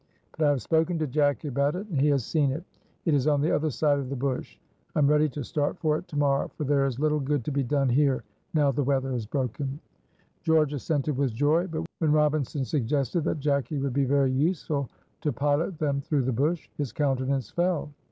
But I have spoken to Jacky about it, and he has seen it; it is on the other side of the bush. I am ready to start for it to morrow, for there is little good to be done here now the weather has broken." George assented with joy; but, when Robinson suggested that Jacky would be very useful to pilot them through the bush, his countenance fell.